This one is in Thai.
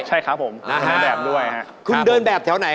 ใช่ครับผมเป็นนายแบบด้วยครับ